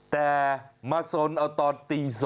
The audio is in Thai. แต่มาสนเอาตอนตี๒